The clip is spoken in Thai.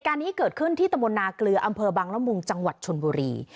เหตุการณ์นี้เกิดขึ้นที่ตมนาเกลืออำเภอบังละมุงจังหวัดชนบุรี